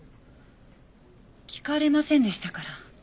聞かれませんでしたから。